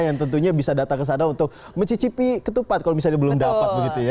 yang tentunya bisa datang ke sana untuk mencicipi ketupat kalau misalnya belum dapat begitu ya